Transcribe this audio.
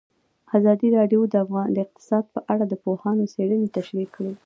ازادي راډیو د اقتصاد په اړه د پوهانو څېړنې تشریح کړې.